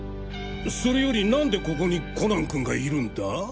それより何でここにコナン君がいるんだ？